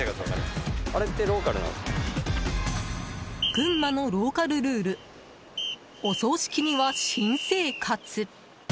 群馬のローカルルールお葬式には新生活。